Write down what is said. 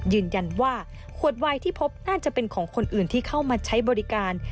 ยืนยันว่าขวดวายที่พบน่าจะเป็นของคนอื่นที่เข้ามาใช้บริการ